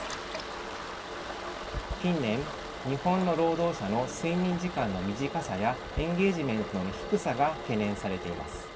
近年日本の労働者の睡眠時間の短さやエンゲージメントの低さが懸念されています。